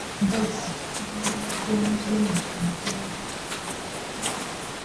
Mpozzi ne munnamagye jjenero Henry Tumukunde